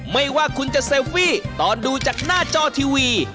ไม่ว่าคุณจะเซลฟี่ตอนดูจากหน้าจอทีวี